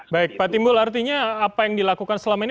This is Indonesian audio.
baik pak timbul artinya apa yang dilakukan selama ini